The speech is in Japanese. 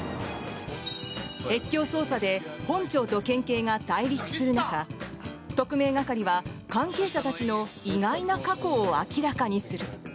越境捜査で本庁と県警が対立する中特命係は関係者たちの意外な過去を明らかにする。